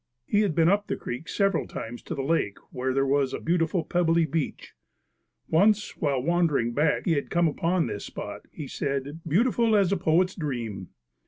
He had been up the creek several times to the lake where there was a beautiful pebbly beach. Once, while wandering back, he had come upon this spot, he said, "Beautiful as a poet's dream."